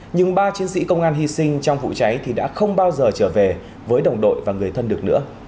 nhưng ba chiến sĩ công an hy sinh trong vụ cháy thì đã không bao giờ trở về với đồng đội và người thân được nữa